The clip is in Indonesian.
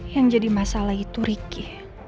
yang jadi masalah itu riki